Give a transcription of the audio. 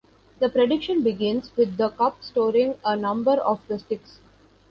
The prediction begins with the cup storing a number of the sticks.